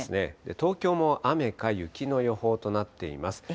東京も雨か雪の予報となっています。